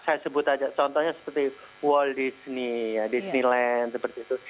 saya sebut aja contohnya seperti wall disney ya disneyland seperti itu